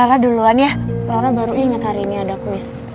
ah ra duluan ya ra baru inget hari ini ada kuis